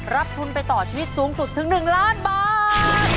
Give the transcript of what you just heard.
รับทุนไปต่อชีวิตสูงสุดถึง๑ล้านบาท